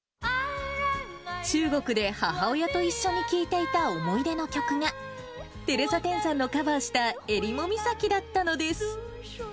中国で母親と一緒に聴いていた思い出の曲が、テレサ・テンさんのカバーした襟裳岬だったのです。